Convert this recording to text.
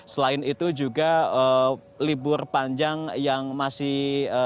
selain itu juga libur panjang yang masih